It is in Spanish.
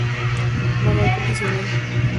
Manual profesional.